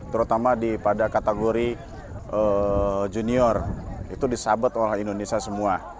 terutama pada kategori junior itu disabet oleh indonesia semua